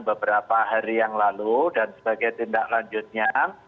beberapa hari yang lalu dan sebagai tindak lanjutnya